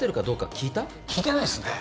聞いてないですね